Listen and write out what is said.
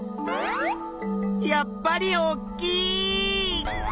やっぱりおっきいっ！